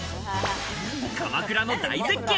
鎌倉の大絶景。